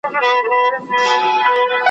چي نن ولویږي له تخته سبا ګوري ,